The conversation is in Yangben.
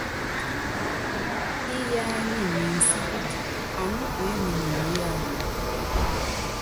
Íyá nyi ni nsípítí, aŋúu eémenyen yía?